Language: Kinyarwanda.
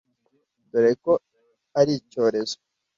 dore ko ari icyorezo